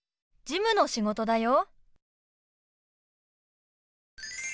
事務の仕事だよ。